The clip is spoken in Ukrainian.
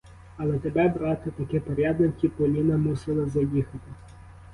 Але тебе, брате, таки порядно ті поліна мусили заїхати.